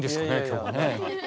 今日はね。